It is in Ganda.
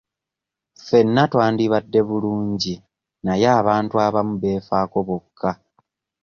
Ffenna twandibadde bulungi naye abantu abamu beefaako bokka.